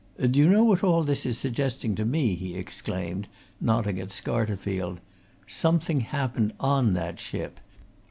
"Do you know what all this is suggesting to me?" he exclaimed, nodding at Scarterfield. "Something happened on that ship!